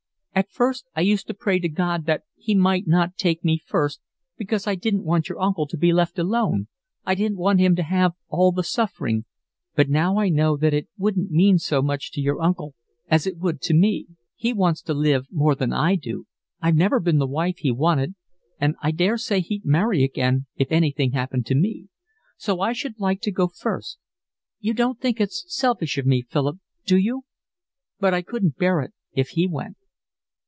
"At first, I used to pray to God that He might not take me first, because I didn't want your uncle to be left alone, I didn't want him to have all the suffering, but now I know that it wouldn't mean so much to your uncle as it would mean to me. He wants to live more than I do, I've never been the wife he wanted, and I daresay he'd marry again if anything happened to me. So I should like to go first. You don't think it's selfish of me, Philip, do you? But I couldn't bear it if he went."